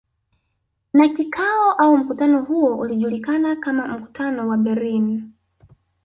Na kikao au mkutano huo ulijulikana kama mkutano wa Berlini